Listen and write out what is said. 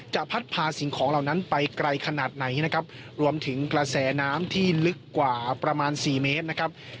พัดพาสิ่งของเหล่านั้นไปไกลขนาดไหนนะครับรวมถึงกระแสน้ำที่ลึกกว่าประมาณสี่เมตรนะครับ